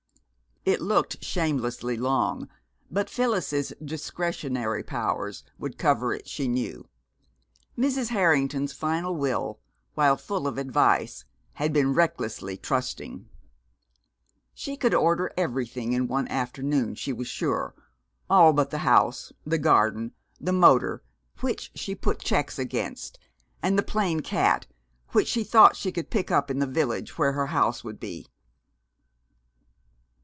It looked shamelessly long, but Phyllis's "discretionary powers" would cover it, she knew. Mrs. Harrington's final will, while full of advice, had been recklessly trusting. She could order everything in one afternoon, she was sure, all but the house, the garden, the motor, which she put checks against, and the plain cat, which she thought she could pick up in the village where her house would be.